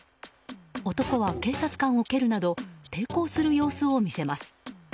男は警察官を蹴るなど抵抗する様子を見せます。